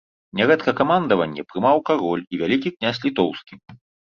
Нярэдка камандаванне прымаў кароль і вялікі князь літоўскі.